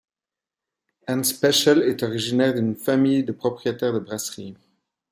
Ernst Peschl est originaire d'une famille de propriétaires de brasserie.